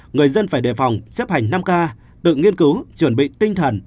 người dân phải đề phòng xếp hành năm k tự nghiên cứu chuẩn bị tinh thần